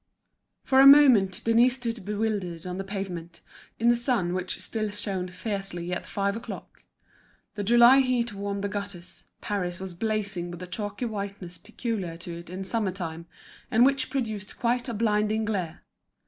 For a moment Denise stood bewildered on the pavement, in the sun which still shone fiercely at five o'clock. The July heat warmed the gutters, Paris was blazing with the chalky whiteness peculiar to it in summer time, and which produced quite a blinding glare.